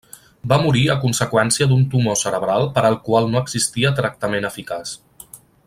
Va morir a conseqüència d'un tumor cerebral per al qual no existia tractament eficaç.